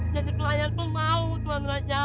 jadi pelayan ku mau tuan raja